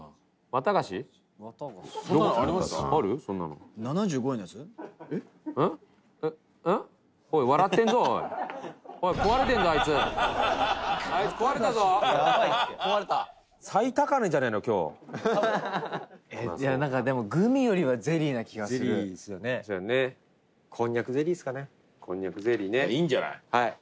タカ：いいんじゃない？